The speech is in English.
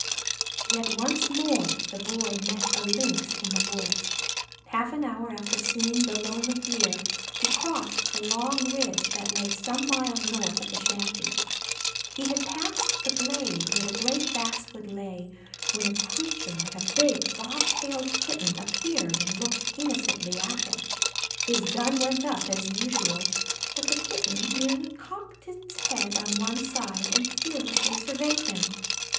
Yet once more the Boy met a Lynx in the woods. Half an hour after seeing the lonely Deer he crossed the long ridge that lay some miles north of the shanty. He had passed the glade where the great basswood lay when a creature like a big bob tailed Kitten appeared and looked innocently at him. His gun went up, as usual, but the Kitten merely cocked its head on one side and fearlessly surveyed him.